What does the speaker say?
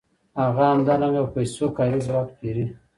هغه همدارنګه په پیسو کاري ځواک پېري